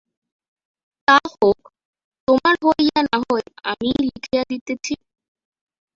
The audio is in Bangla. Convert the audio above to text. তা হোক, তোমার হইয়া না-হয় আমিই লিখিয়া দিতেছি।